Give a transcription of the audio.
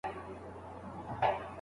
د تورو سم شکلونه په املا کي زده کېږي.